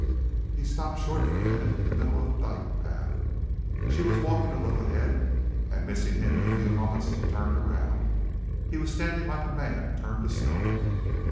He stopped short for a minute in the middle of the dyke path. She was walking a little ahead, and missing him in a few moments, turned around. He was standing like a man turned to stone.